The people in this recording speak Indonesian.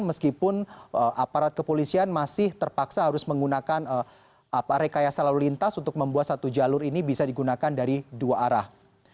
meskipun aparat kepolisian masih terpaksa harus menggunakan rekayasa lalu lintas untuk membuat satu jalur ini bisa digunakan dari dua arah